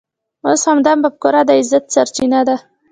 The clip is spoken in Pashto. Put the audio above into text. اوس همدا مفکوره د عزت سرچینه ده.